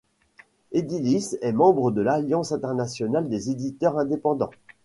Edilis est membre de Alliance internationale des éditeurs indépendants.